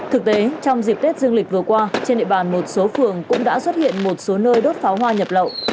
thực tế trong dịp tết dương lịch vừa qua trên địa bàn một số phường cũng đã xuất hiện một số nơi đốt pháo hoa nhập lậu